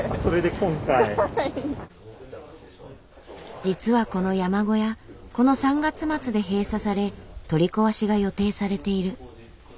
実はこの山小屋この３月末で閉鎖され取り壊しが予定されている。